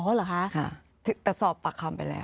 อ๋อเหรอคะค่ะถึงการสอบปลักความไปแล้ว